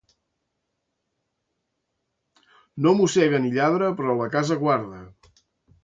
No mossega ni lladra, però la casa guarda.